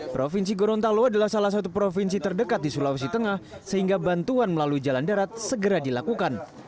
provinsi gorontalo adalah salah satu provinsi terdekat di sulawesi tengah sehingga bantuan melalui jalan darat segera dilakukan